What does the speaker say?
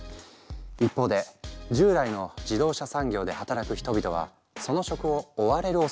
一方で従来の自動車産業で働く人々はその職を追われるおそれがある。